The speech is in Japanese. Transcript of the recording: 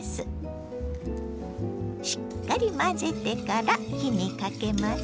しっかり混ぜてから火にかけます。